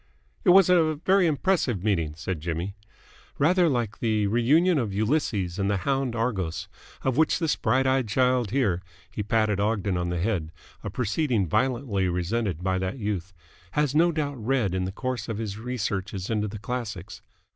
"It was a very impressive meeting," said Jimmy. "Rather like the reunion of Ulysses and the hound Argos, of which this bright eyed child here " he patted Ogden on the head, a proceeding violently resented by that youth "has no doubt read in the course of his researches into the Classics.